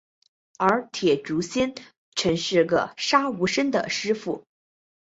而铁笛仙曾经是杀无生的师父。